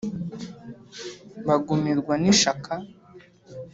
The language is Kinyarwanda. Bagumirwa n'ishaka